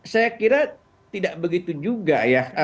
saya kira tidak begitu juga ya